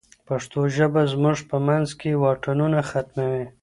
پښتو ژبه زموږ په منځ کې واټنونه ختموي.